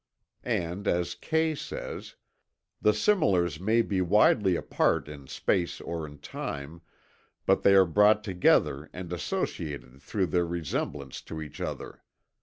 And as Kay says: "The similars may be widely apart in space or in time, but they are brought together and associated through their resemblance to each other.